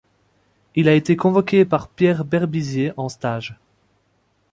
Il a été convoqué par Pierre Berbizier en stage.